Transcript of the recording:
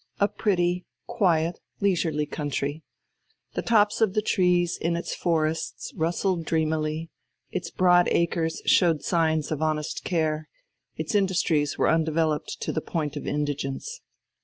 A pretty, quiet, leisurely country. The tops of the trees in its forests rustled dreamily; its broad acres showed signs of honest care; its industries were undeveloped to the point of indigence.